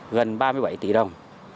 gần ba mươi bảy tỷ đồng